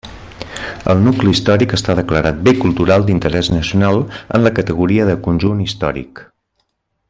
El nucli històric està declarat bé cultural d'interès nacional en la categoria de conjunt històric.